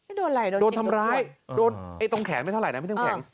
ไม่ได้ดูอ่ะโดนทำร้ายโดนไอ้ตรงแขนไม่เท่าไหร่นะไม่ได้ตรงแขน